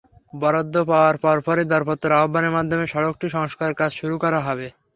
বরাদ্দ পাওয়ার পরপরই দরপত্র আহ্বানের মাধ্যমে সড়কটির সংস্কারকাজ শুরু করা হবে।